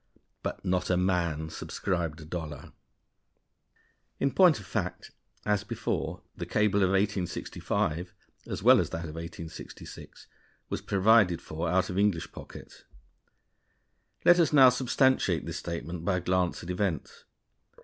But not a man subscribed a dollar. In point of fact, as before, the cable of 1865 as well as that of 1866 was provided for out of English pockets. Let us now substantiate this statement by a glance at events.